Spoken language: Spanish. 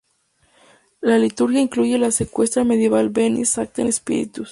La liturgia incluye la secuencia medieval "Veni, Sancte Spiritus".